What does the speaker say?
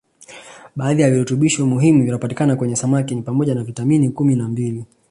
Baadhi ya virutubisho muhimu vinavyopatikana kwenye samaki ni pamoja na vitamin kumi na mbili